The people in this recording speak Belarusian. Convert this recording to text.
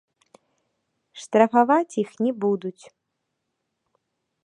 Штрафаваць іх не будуць.